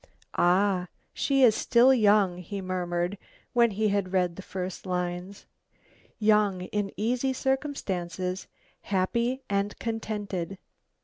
"Ah! she is still young," he murmured, when he had read the first lines. "Young, in easy circumstances, happy and contented."